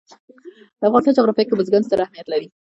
د افغانستان جغرافیه کې بزګان ستر اهمیت لري.